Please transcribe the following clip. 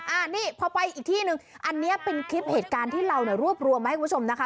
อันนี้พอไปอีกที่หนึ่งอันนี้เป็นคลิปเหตุการณ์ที่เราเนี่ยรวบรวมมาให้คุณผู้ชมนะคะ